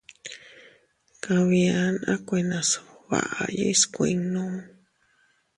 Kabia a kuena gbaʼa yiʼi skuinnu.